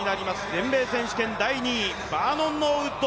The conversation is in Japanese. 全米選手権第２位、バーノン・ノーウッド。